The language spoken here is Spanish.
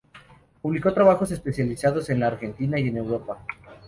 Publicó trabajos especializados en la Argentina y en Europa.